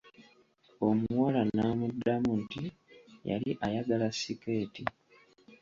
Omuwala n'amuddamu nti yali ayagala sikeeti.